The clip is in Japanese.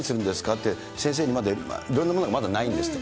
って、先生、いろんなものがまだないんですって。